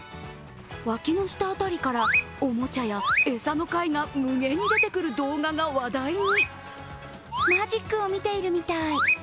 脇の下辺りから、おもちゃや餌の貝が無限に出てくる動画が話題に。